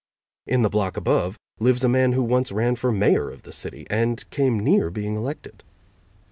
In the block above lives a man who once ran for Mayor of the city, and came near being elected.